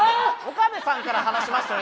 岡部さんから話しましたよ